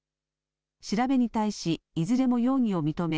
調べに対し、いずれも容疑を認め